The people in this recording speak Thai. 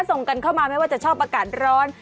ส่งกันเข้ามาไม่ว่าจะชอบอากาศร้อน